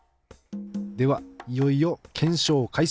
ではいよいよ検証開始。